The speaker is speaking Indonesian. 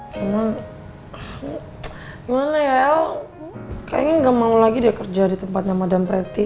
cuman gimana ya el kayaknya gak mau lagi deh kerja di tempat madam pretty